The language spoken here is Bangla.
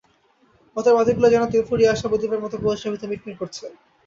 পথের বাতিগুলো যেন তেল ফুরিয়ে আসা প্রদীপের মতো কুয়াশার ভেতর মিটমিট করছে।